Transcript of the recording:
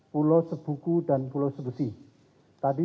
pulau sebuku dan pulau sebesi tadi